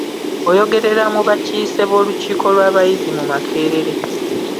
Oyogerera mu bakiise b’olukiiko lw’abayizi mu Makerere